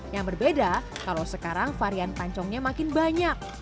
yang berbeda kalau sekarang varian pancongnya makin banyak